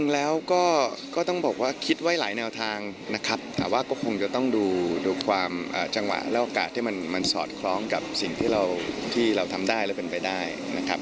แล้วก็ก็ต้องบอกว่าคิดไว้หลายแนวทางนะครับแต่ว่าก็คงจะต้องดูความจังหวะและโอกาสที่มันสอดคล้องกับสิ่งที่เราทำได้และเป็นไปได้นะครับ